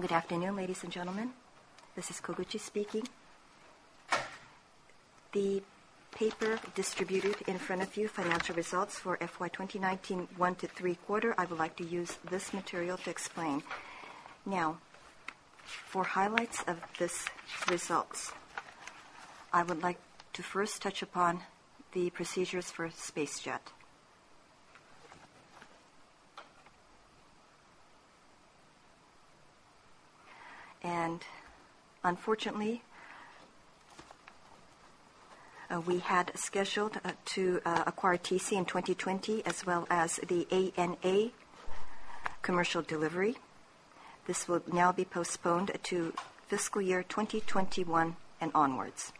Good afternoon, ladies and gentlemen. This is Koguchi speaking. The paper distributed in front of you, financial results for FY 2019 one to three quarter, I would like to use this material to explain. For highlights of these results, I would like to first touch upon the procedures for SpaceJet. Unfortunately, we had scheduled to acquire TC in 2020 as well as the ANA commercial delivery. This will now be postponed to fiscal year 2021 and onwards.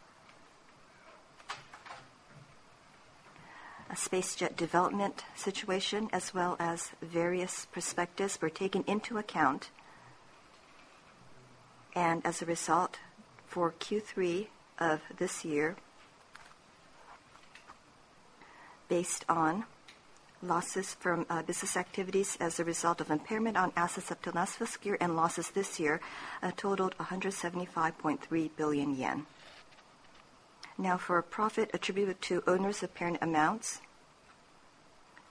SpaceJet development situation as well as various perspectives were taken into account, as a result, for Q3 of this year, based on losses from business activities as a result of impairment on assets up to last fiscal year and losses this year totaled 175.3 billion yen. For our profit attributed to owners of parent amounts,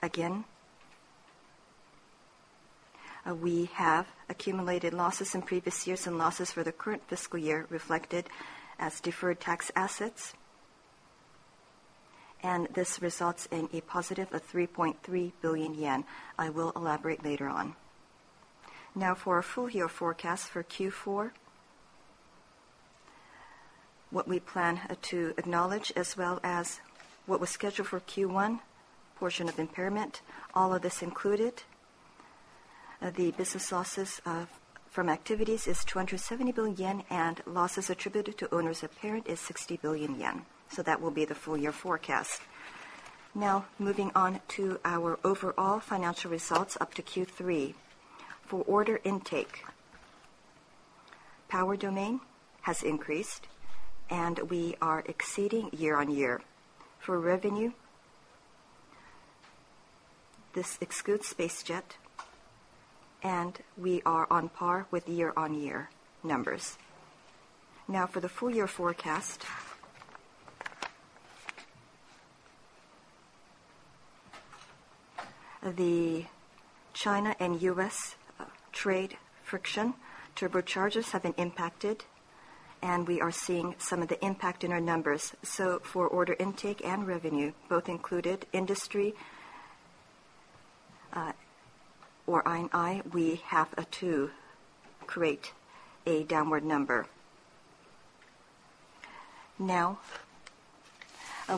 again, we have accumulated losses in previous years and losses for the current fiscal year reflected as deferred tax assets, this results in a positive of 3.3 billion yen. I will elaborate later on. For our full-year forecast for Q4, what we plan to acknowledge as well as what was scheduled for Q1, portion of impairment, all of this included, the business losses from activities is 270 billion yen, and losses attributed to owners of parent is 60 billion yen. That will be the full-year forecast. Moving on to our overall financial results up to Q3. For order intake, power domain has increased, and we are exceeding year-on-year. For revenue, this excludes SpaceJet, and we are on par with year-on-year numbers. For the full-year forecast, the China and U.S. trade friction, turbochargers have been impacted, and we are seeing some of the impact in our numbers. For order intake and revenue, both included industry or I&I, we have to create a downward number.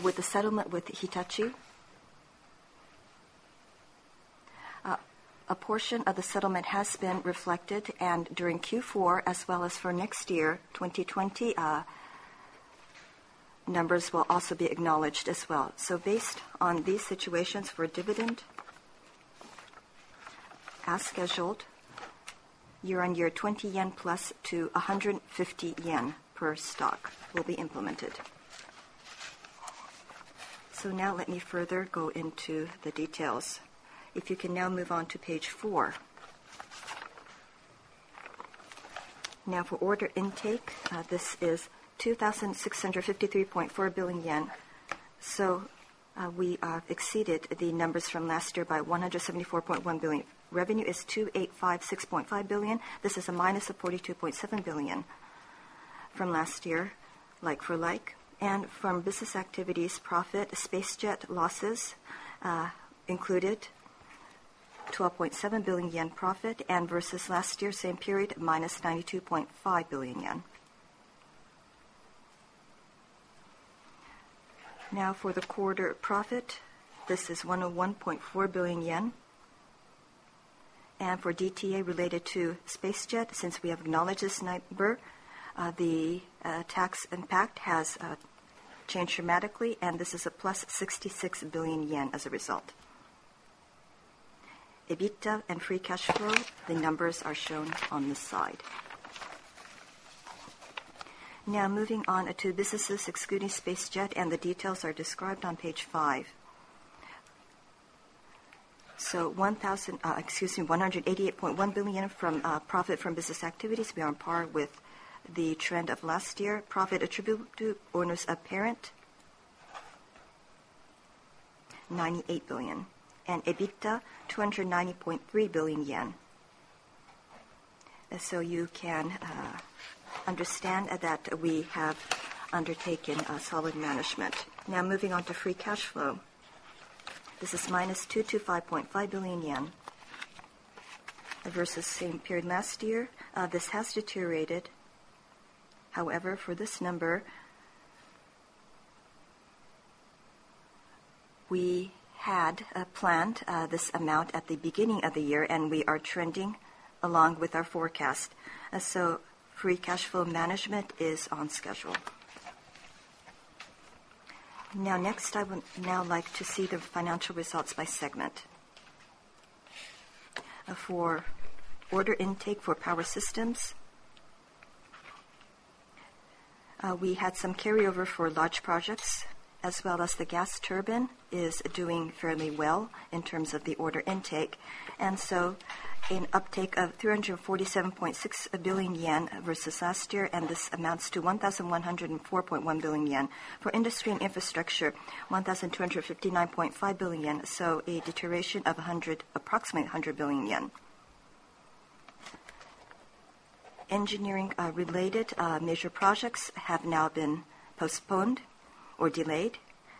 With the settlement with Hitachi, a portion of the settlement has been reflected, and during Q4 as well as for next year, 2020, numbers will also be acknowledged. Based on these situations for dividend, as scheduled, year-on-year 20+ yen to 150 yen per stock will be implemented. Let me further go into the details. If you can now move on to page four. For order intake, this is 2,653.4 billion yen. We exceeded the numbers from last year by 174.1 billion. Revenue is 2,856.5 billion. This is a minus of 42.7 billion from last year, like for like. From business activities profit, SpaceJet losses included 12.7 billion yen profit versus last year same period, -92.5 billion yen. For the quarter profit, this is 101.4 billion yen and for DTA related to SpaceJet, since we have acknowledged this number, the tax impact has changed dramatically, and this is a +66 billion yen as a result. EBITDA and free cash flow, the numbers are shown on this side. Moving on to businesses excluding SpaceJet, and the details are described on page five. 188.1 billion from profit from business activities, we are on par with the trend of last year. Profit attributable to owners of parent, 98 billion. EBITDA, 290.3 billion yen. You can understand that we have undertaken a solid management. Moving on to free cash flow. This is -225.5 billion yen versus same period last year. This has deteriorated. However, for this number, we had planned this amount at the beginning of the year, and we are trending along with our forecast. Free cash flow management is on schedule. Next, I would now like to see the financial results by segment. For order intake for Power Systems, we had some carryover for large projects, as well as the gas turbine is doing fairly well in terms of the order intake. An uptake of 347.6 billion yen versus last year, and this amounts to 1,104.1 billion yen. For Industry and Infrastructure, 1,259.5 billion yen, a deterioration of approximately 100 billion yen. Engineering-related major projects have now been postponed or delayed,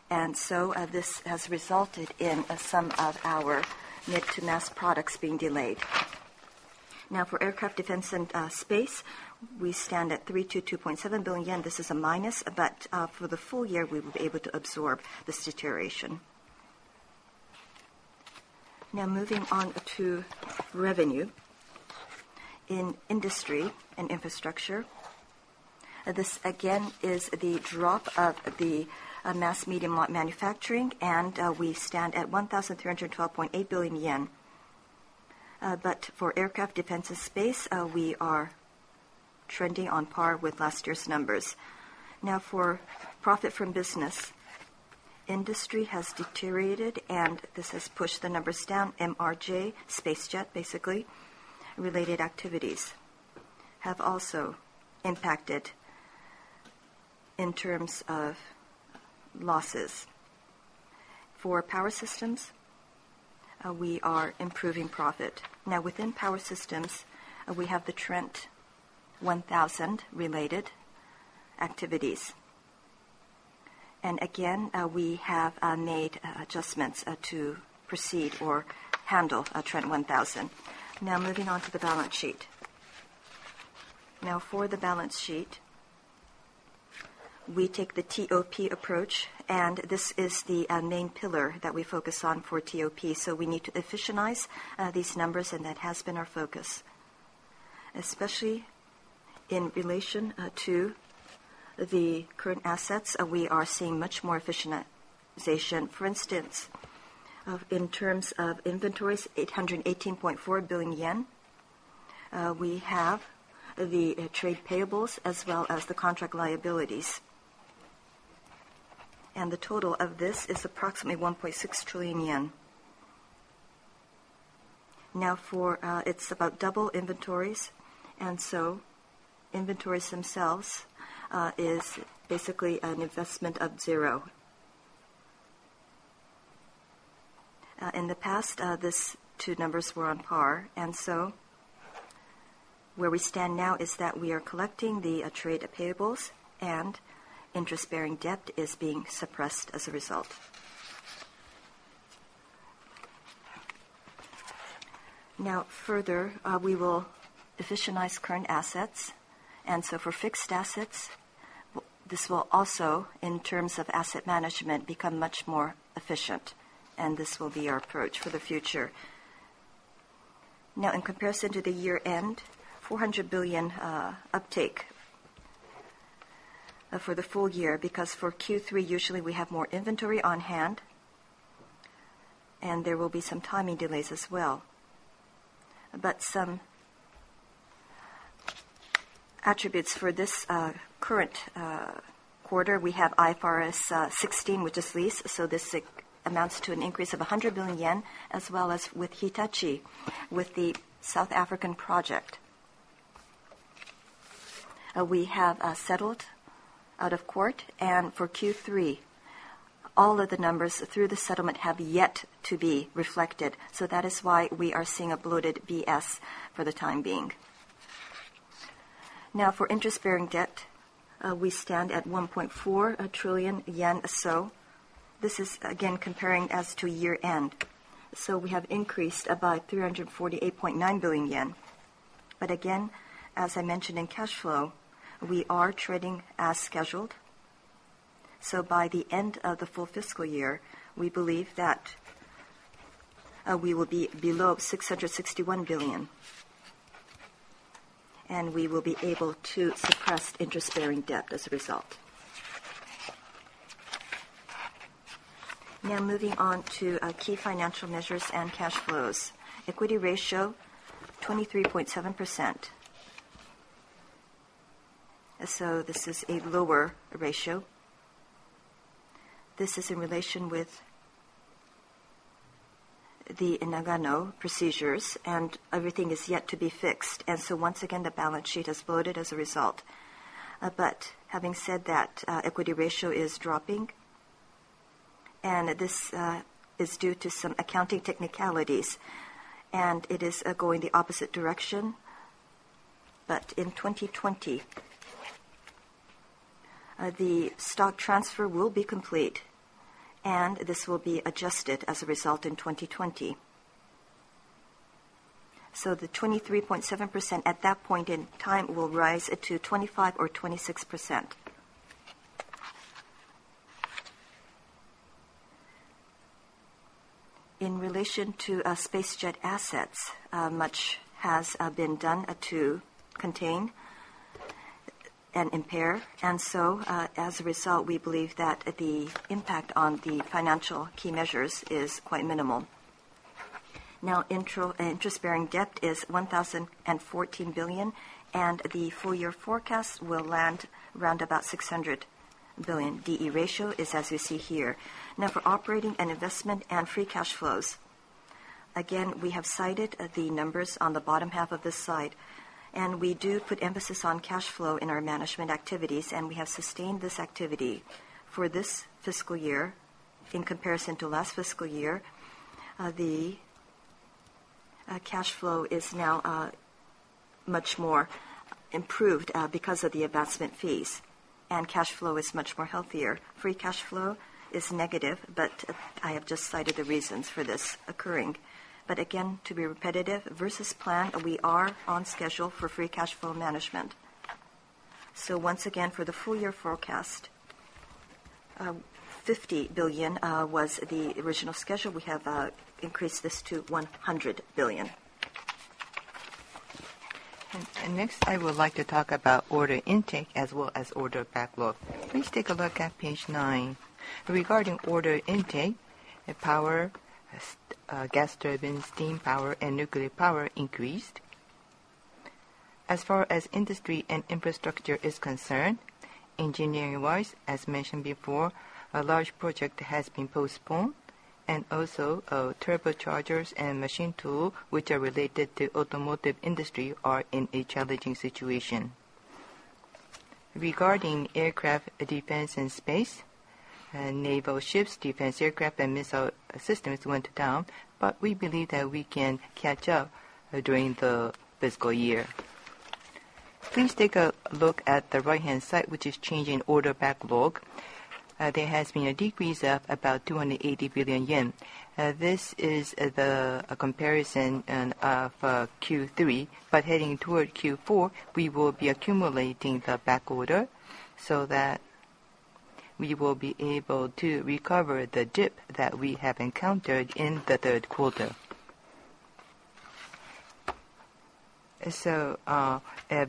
and so this has resulted in some of our mid-to-mass products being delayed. For Aircraft, Defense, and Space, we stand at 322.7 billion yen. This is a minus, for the full year, we will be able to absorb this deterioration. Moving on to revenue. In Industry and Infrastructure, this again is the drop of the mass medium lot manufacturing, we stand at 1,312.8 billion yen. For Aircraft, Defense, and Space, we are trending on par with last year's numbers. For profit from business. Industry has deteriorated, and this has pushed the numbers down. MRJ, SpaceJet, basically, related activities have also impacted in terms of losses. For Power Systems, we are improving profit. Within Power Systems, we have the Trent 1000 related activities. Again, we have made adjustments to proceed or handle Trent 1000. Moving on to the balance sheet. For the balance sheet, we take the TOP approach, and this is the main pillar that we focus on for TOP. We need to efficientize these numbers, and that has been our focus. Especially in relation to the current assets, we are seeing much more efficientization. For instance, in terms of inventories, 818.4 billion yen. We have the trade payables as well as the contract liabilities. The total of this is approximately 1.6 trillion yen. It's about double inventories, and so inventories themselves is basically an investment of zero. In the past, these two numbers were on par, and so where we stand now is that we are collecting the trade payables and interest-bearing debt is being suppressed as a result. Further, we will efficientize current assets. For fixed assets, this will also, in terms of asset management, become much more efficient, and this will be our approach for the future. In comparison to the year-end, 400 billion uptake for the full year, because for Q3, usually we have more inventory on hand, and there will be some timing delays as well. Some attributes for this current quarter, we have IFRS 16, which is lease, so this amounts to an increase of 100 billion yen, as well as with Hitachi, with the South Africa project. We have settled out of court, and for Q3, all of the numbers through the settlement have yet to be reflected. That is why we are seeing a bloated BS for the time being. For interest-bearing debt, we stand at 1.4 trillion yen, so this is again comparing as to year-end. We have increased by 348.9 billion yen. Again, as I mentioned in cash flow, we are trending as scheduled so by the end of the full fiscal year, we believe that we will be below 661 billion, and we will be able to suppress interest-bearing debt as a result. Moving on to key financial measures and cash flows. Equity ratio, 23.7%. This is a lower ratio. This is in relation with the Nagano procedures, and everything is yet to be fixed. Once again, the balance sheet has bloated as a result. Having said that, equity ratio is dropping, and this is due to some accounting technicalities, and it is going the opposite direction. In 2020, the stock transfer will be complete, and this will be adjusted as a result in 2020. The 23.7% at that point in time will rise to 25% or 26%. In relation to SpaceJet assets, much has been done to contain and impair. As a result, we believe that the impact on the financial key measures is quite minimal. Interest-bearing debt is 1,014 billion, and the full-year forecast will land around about 600 billion. D/E ratio is as you see here. For operating and investment and free cash flows, again, we have cited the numbers on the bottom half of this slide, and we do put emphasis on cash flow in our management activities, and we have sustained this activity. For this fiscal year in comparison to last fiscal year, the cash flow is now much more improved because of the investment fees, and cash flow is much more healthier. Free cash flow is negative, but I have just cited the reasons for this occurring. Again, to be repetitive, versus plan, we are on schedule for free cash flow management. Once again, for the full-year forecast, 50 billion was the original schedule. We have increased this to 100 billion. Next, I would like to talk about order intake as well as order backlog. Please take a look at page nine. Regarding order intake, power, gas turbine, steam power, and nuclear power increased. As far as industry and infrastructure is concerned, engineering-wise, as mentioned before, a large project has been postponed, and also, turbochargers and machine tools, which are related to automotive industry, are in a challenging situation. Regarding aircraft defense and space, naval ships, defense aircraft, and missile systems went down, but we believe that we can catch up during the fiscal year. Please take a look at the right-hand side, which is change in order backlog. There has been a decrease of about 280 billion yen. This is the comparison of Q3. Heading toward Q4, we will be accumulating the backorder so that we will be able to recover the dip that we have encountered in the Q3.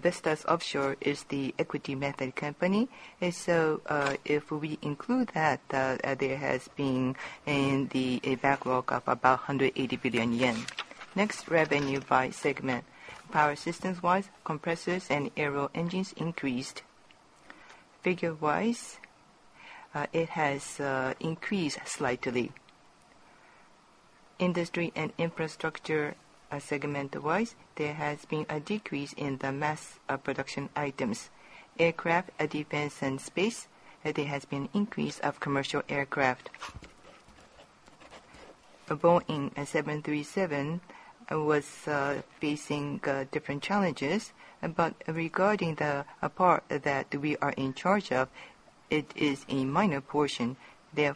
Vestas Offshore is the equity method company. If we include that, there has been a backlog of about 180 billion yen. Next, revenue by segment. Power Systems-wise, compressors and aero engines increased. Figure-wise, it has increased slightly. Industry and Infrastructure segment-wise, there has been a decrease in the mass of production items. Aircraft, Defense, and Space, there has been increase of commercial aircraft. The Boeing 737 was facing different challenges, regarding the part that we are in charge of, it is a minor portion. The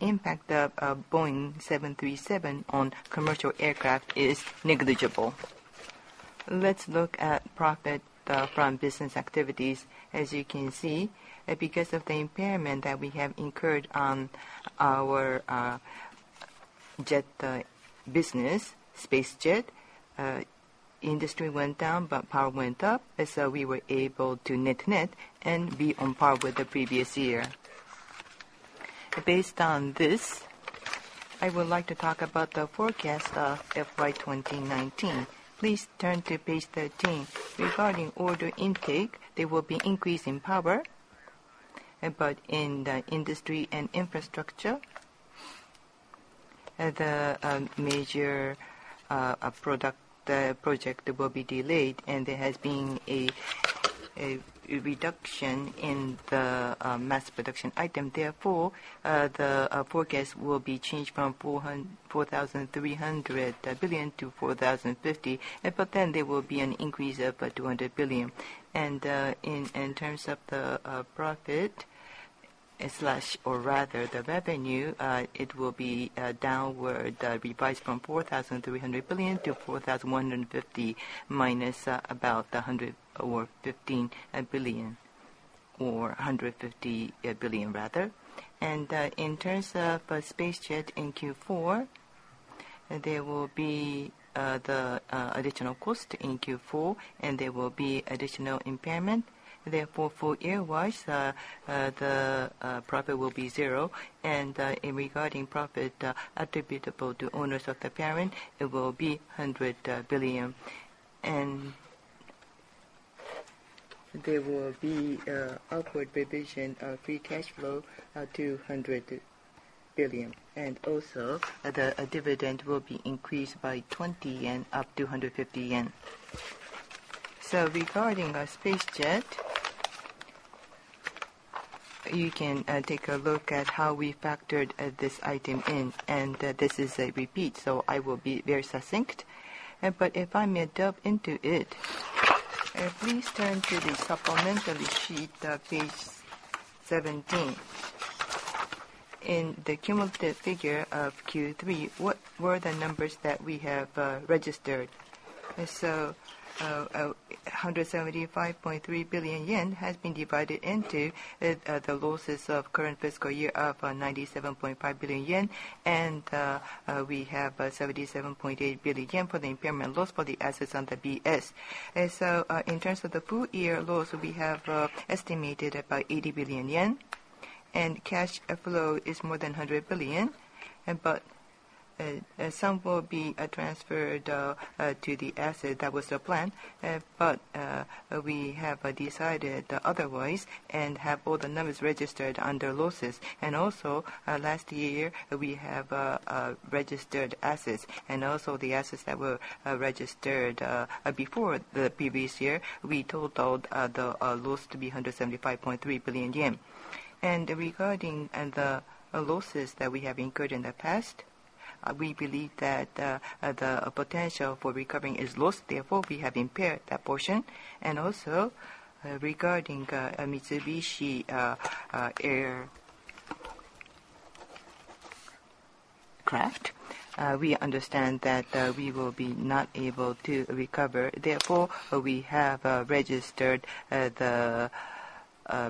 impact of Boeing 737 on commercial aircraft is negligible. Let's look at profit from business activities. As you can see, because of the impairment that we have incurred on our jet business, SpaceJet, industry went down, but power went up. We were able to net-net and be on par with the previous year. Based on this, I would like to talk about the forecast of FY 2019. Please turn to page 13. Regarding order intake, there will be increase in power, but in the industry and infrastructure, the major project will be delayed and there has been a reduction in the mass production item therefore the forecast will be changed from 4,300 billion-4,050 billion, but then there will be an increase of 200 billion. In terms of the profit, or rather the revenue, it will be downward revised from 4,300 billion-4,150 billion, minus about 115 billion. In terms of SpaceJet in Q4, there will be the additional cost in Q4, and there will be additional impairment. Therefore, full year-wise, the profit will be zero, and regarding profit attributable to owners of the parent, it will be 100 billion. There will be upward revision of free cash flow of 200 billion. Also, the dividend will be increased by 20 yen up to 150 yen. Regarding our SpaceJet, you can take a look at how we factored this item in, and this is a repeat, so I will be very succinct. If I may delve into it, please turn to the supplementary sheet, page 17. In the cumulative figure of Q3, what were the numbers that we have registered? 175.3 billion yen has been divided into the losses of current fiscal year of 97.5 billion yen and we have 77.8 billion yen for the impairment loss for the assets on the BS. In terms of the full-year loss, we have estimated about 80 billion yen. Cash flow is more than 100 billion. Some will be transferred to the asset. That was the plan. We have decided otherwise and have all the numbers registered under losses. Last year, we have registered assets. The assets that were registered before the previous year, we totaled the loss to be 175.3 billion yen. Regarding the losses that we have incurred in the past, we believe that the potential for recovering is lost, therefore, we have impaired that portion. Regarding Mitsubishi Aircraft, we understand that we will be not able to recover. Therefore, we have registered the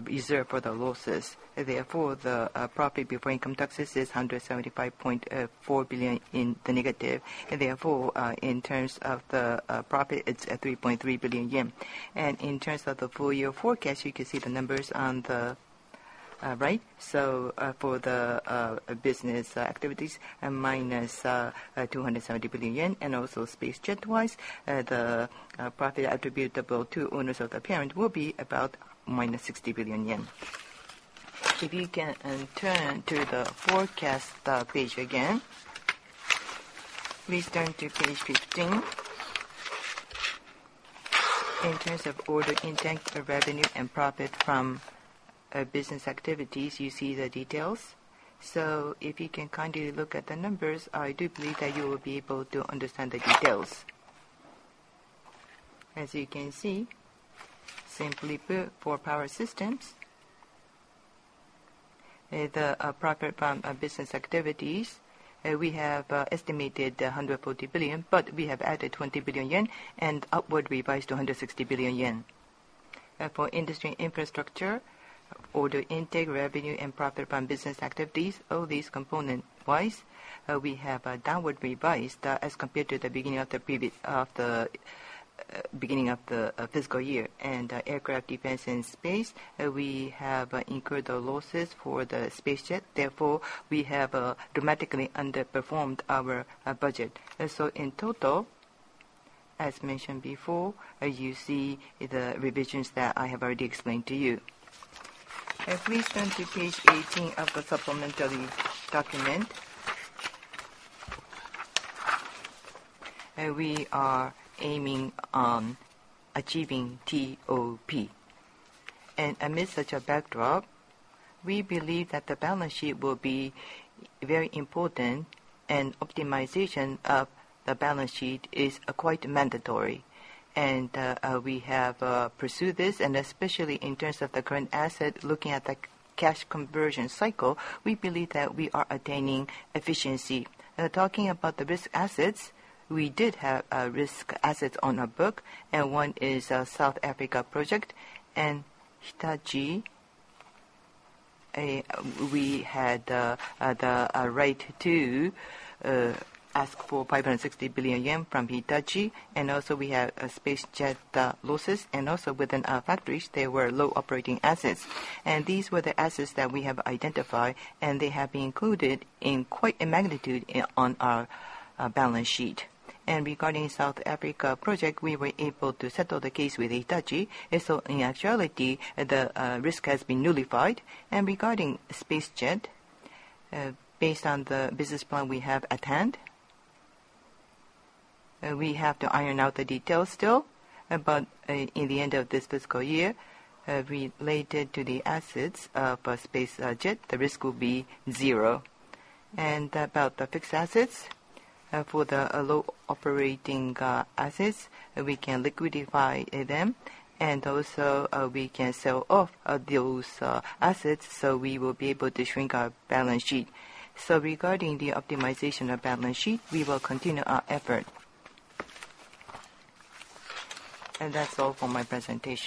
reserve for the losses. Therefore, the profit before income taxes is 175.4 billion in the negative. Therefore, in terms of the profit, it's at 3.3 billion yen. In terms of the full-year forecast, you can see the numbers on the right. For the business activities, -270 billion yen. SpaceJet wise, the profit attributable to owners of the parent will be about -60 billion yen. If you can turn to the forecast page again. Please turn to page 15. In terms of order intake, revenue, and profit from business activities, you see the details. If you can kindly look at the numbers, I do believe that you will be able to understand the details. As you can see, simply put, for Power Systems, the profit from business activities, we have estimated 140 billion, but we have added 20 billion yen and upward revised to 160 billion yen. For Industry Infrastructure, order intake, revenue, and profit from business activities, all these component-wise, we have downward revised as compared to the beginning of the fiscal year. Aircraft defense and space, we have incurred the losses for the SpaceJet, therefore, we have dramatically underperformed our budget. In total, as mentioned before, you see the revisions that I have already explained to you. Please turn to page 18 of the supplementary document. We are aiming on achieving TOP. Amidst such a backdrop, we believe that the balance sheet will be very important, and optimization of the balance sheet is quite mandatory. We have pursued this, and especially in terms of the current asset, looking at the cash conversion cycle, we believe that we are attaining efficiency. Talking about the risk assets, we did have risk assets on our book, and one is a South Africa project. Hitachi, we had the right to ask for 560 billion yen from Hitachi. Also, we have SpaceJet losses. Within our factories, there were low operating assets. These were the assets that we have identified, and they have been included in quite a magnitude on our balance sheet. Regarding South Africa project, we were able to settle the case with Hitachi. In actuality, the risk has been nullified. Regarding SpaceJet, based on the business plan we have at hand, we have to iron out the details still. In the end of this fiscal year, related to the assets of SpaceJet, the risk will be zero. About the fixed assets, for the low operating assets, we can liquidify them. Also, we can sell off those assets, so we will be able to shrink our balance sheet. Regarding the optimization of balance sheet, we will continue our effort. That's all for my presentation.